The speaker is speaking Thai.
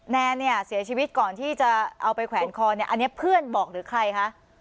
แนนเนี่ยเสียชีวิตก่อนที่จะเอาไปแขวนคอเนี่ยอันนี้เพื่อนบอกหรือใครคะ